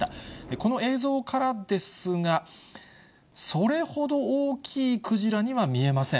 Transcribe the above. この映像からですが、それほど大きいクジラには見えません。